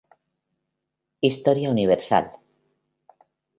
Historia Universal.